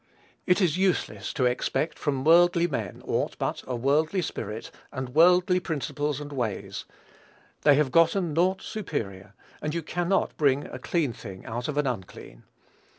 It is useless to expect from worldly men aught but a worldly spirit and worldly principles and ways; they have gotten naught superior; and you cannot bring a clean thing out of an unclean.